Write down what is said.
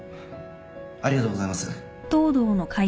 ありがとうございます。